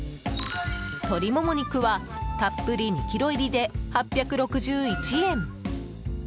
鶏もも肉はたっぷり２ｋｇ入りで８６１円。